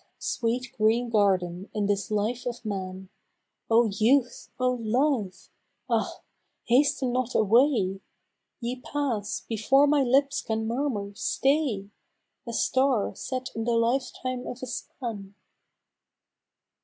sweet green garden in this life of man ! Oh Youth ! Oh Love ! Ah ! hasten not away ; Ye pass before my lips can murmur " Stay !'' A star, set in the life time of a span ! 10.